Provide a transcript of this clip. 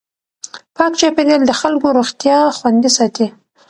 پاک چاپېریال د خلکو روغتیا خوندي ساتي.